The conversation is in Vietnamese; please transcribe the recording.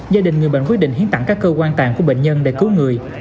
gia đình người bệnh quyết định hiến tặng các cơ quan tàn của bệnh nhân để cứu người